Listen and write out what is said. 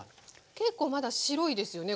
結構まだ白いですよね